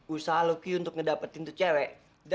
usaha lo q untuk ngedapetin itu cewek